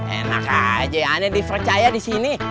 enak aja anda dipercaya di sini